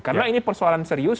karena ini persoalan serius